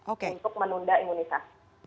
untuk menunda imunisasi